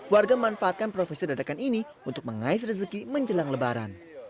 warga memanfaatkan profesi dadakan ini untuk mengais rezeki menjelang lebaran